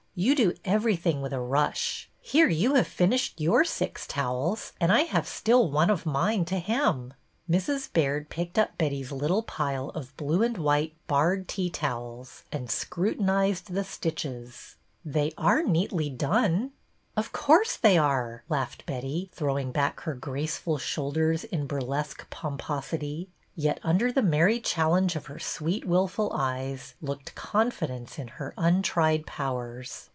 You do everything with a rush. Here you have finished your six towels and I have still one of mine to hem." Mrs. Baird picked up Betty's little pile of blue and white barred tea towels and scrutinized the stitches. " They are neatly done." '' Of course they are," laughed Betty, throwing back her graceful shoulders in burlesque pompos ity. Yet under the merry challenge of her sweet wilful eyes looked confidence in her untried pow ers.